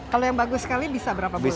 kalau yang bagus sekali bisa berapa bu